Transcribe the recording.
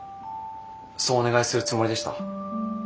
そうお願いするつもりでした。